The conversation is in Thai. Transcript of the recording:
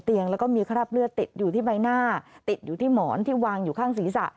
แล้วก็มีคราบเลือดติดอยู่ที่ใบหน้าติดอยู่ที่หมอนที่วางอยู่ข้างศีรษะ